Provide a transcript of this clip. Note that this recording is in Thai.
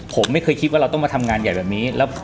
ผมไม่เคยคิดว่าเราต้องมาทำงานใหญ่แบบนี้